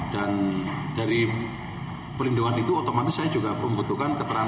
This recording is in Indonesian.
dan dari pelindungan itu otomatis saya juga membutuhkan keterangan keterangan